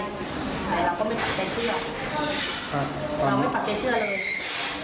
แต่เราก็ไม่ปักใจเชื่อเราไม่ปักใจเชื่ออะไรเลย